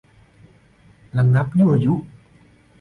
ระงับยั่วยุ